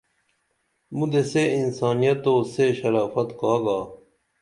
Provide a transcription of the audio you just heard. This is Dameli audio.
مُدے سے انسانیت اُو سے شرافت کا گا